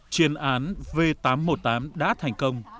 chuyên án v tám trăm một mươi tám đã thành công